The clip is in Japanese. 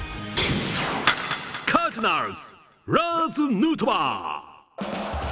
カージナルス、ラーズ・ヌートバー。